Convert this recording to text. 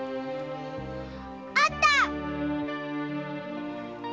あった！